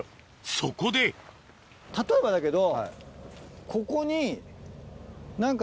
そこで例えばだけど。